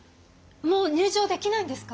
もう入場できないんですか？